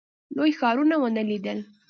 لوی ښارونه ونه لیدل.